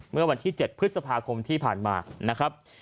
เมื่อวันที่๗พฤษภาคมที่ผ่านมานะครับ